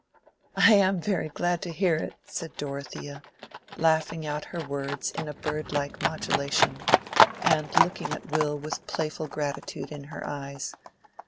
"I am very glad to hear it," said Dorothea, laughing out her words in a bird like modulation, and looking at Will with playful gratitude in her eyes.